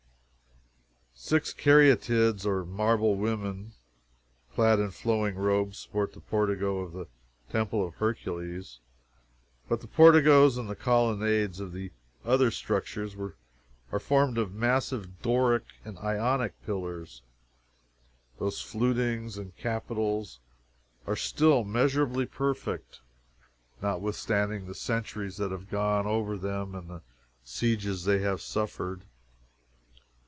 Six caryatides, or marble women, clad in flowing robes, support the portico of the Temple of Hercules, but the porticos and colonnades of the other structures are formed of massive Doric and Ionic pillars, whose flutings and capitals are still measurably perfect, notwithstanding the centuries that have gone over them and the sieges they have suffered.